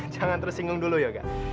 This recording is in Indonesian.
jangan terus singgung dulu yoga